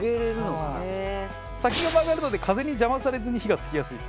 カズレーザー：先が曲がるので風に邪魔されずに火がつきやすい。